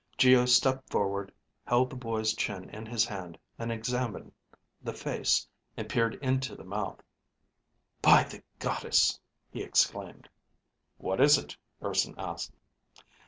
Geo stepped forward, held the boy's chin in his hand and examined the face and peered into the mouth. "By the Goddess!" he exclaimed. "What is it?" Urson asked.